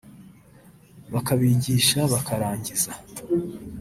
bakabigisha bakarangiza